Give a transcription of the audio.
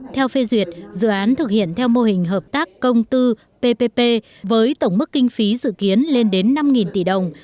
theo phê duyệt dự án thực hiện theo mô hình hợp tác công tư ppp với tổng mức kinh phí dự kiến lên đến năm tỷ đồng